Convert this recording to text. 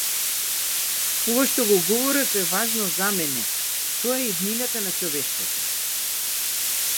Ова што го говорев е важно за мене - тоа е иднината на човештвото.